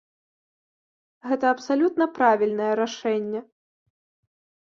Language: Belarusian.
Гэта абсалютна правільнае рашэнне.